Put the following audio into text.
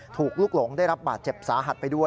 ลูกหลงได้รับบาดเจ็บสาหัสไปด้วย